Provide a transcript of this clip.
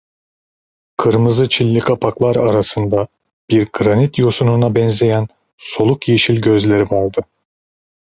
Kırmızı çilli kapaklar arasında, bir granit yosununa benzeyen soluk yeşil gözleri vardı.